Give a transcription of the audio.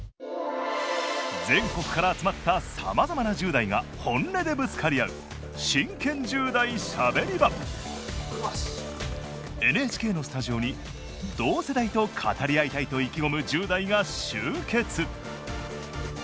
全国から集まったさまざまな１０代が本音でぶつかり合うＮＨＫのスタジオに同世代と語り合いたいと意気込む１０代が集結！